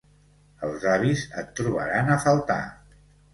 Els avis et trobaran a faltar.